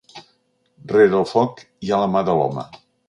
Rere el foc hi ha la mà de l’home.